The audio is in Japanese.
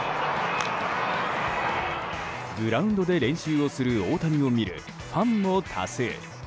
グラウンドで練習をする大谷を見るファンも多数。